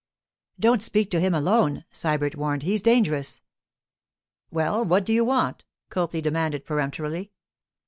'Don't speak to him alone,' Sybert warned. 'He's dangerous.' 'Well, what do you want?' Copley demanded peremptorily.